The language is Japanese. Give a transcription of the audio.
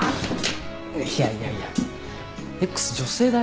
いやいやいやＸ女性だよ？